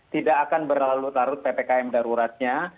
tidak akan berlalu lalu ppkm daruratnya